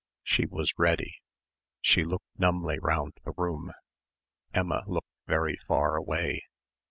She was ready. She looked numbly round the room. Emma looked very far away.